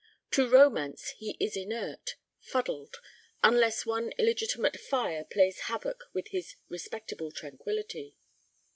To romance he is inert, fuddled—unless one illegitimate fire plays havoc with his respectable tranquillity.